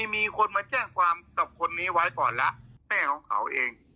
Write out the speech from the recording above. มีคนมาแจ้งความกับคนนี้ไว้ก่อนแล้วแม่ของเขาเอง